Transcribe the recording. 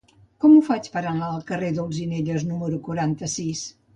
Com ho faig per anar al carrer d'Olzinelles número quaranta-sis?